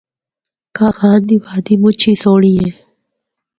کاغان دی وادی مُچ ہی سہنڑی اے۔